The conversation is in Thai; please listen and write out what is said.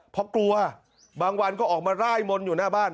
เพราะกลัวบางวันก็ออกมาร่ายมนต์อยู่หน้าบ้าน